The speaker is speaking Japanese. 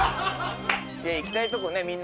行きたいとこねみんな。